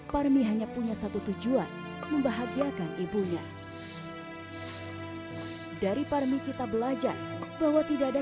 parmi hanya punya satu tujuan membahagiakan ibunya dari parmi kita belajar bahwa tidak ada